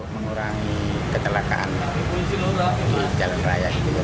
menurangi kecelakaan di jalan raya